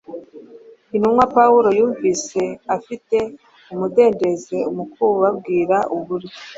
Intumwa Pawulo yumvise afite umudendezo mu kubabwira uburyo